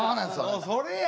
それや。